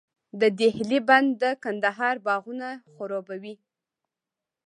د دهلې بند د کندهار باغونه خړوبوي.